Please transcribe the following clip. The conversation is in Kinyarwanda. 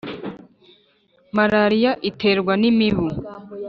malaria iterwa n’imibu